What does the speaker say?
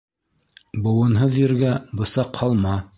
Быуынһыҙ ергә бысаҡ һалма.